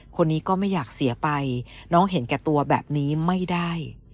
คนนี้ก็ไม่อยากเสียไปน้องเห็นแก่ตัวแบบนี้ไม่ได้